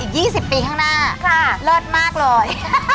ยี่สิบปีข้างหน้าเลิศมากเลย